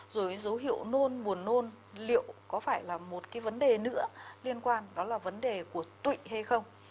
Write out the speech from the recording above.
rồi dấu hiệu nôn buồn nôn liệu có phải là một cái vấn đề nữa liên quan đó là vấn đề của tụy hay không